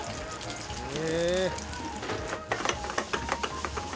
「へえ」